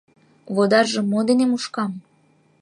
— Водаржым мо дене мушкам?